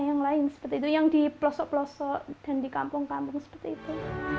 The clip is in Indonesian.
yang lain seperti itu yang di pelosok pelosok dan di kampung kampung seperti itu